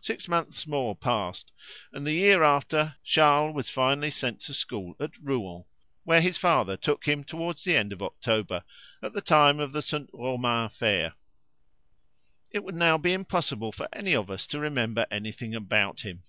Six months more passed, and the year after Charles was finally sent to school at Rouen, where his father took him towards the end of October, at the time of the St. Romain fair. It would now be impossible for any of us to remember anything about him.